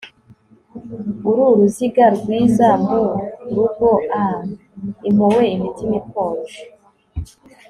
uru ruziga rwiza murugo ah! impuhwe imitima ikonje